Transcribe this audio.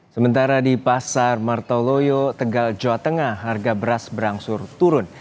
sementara di pasar martoloyo tegal jawa tengah harga beras berangsur turun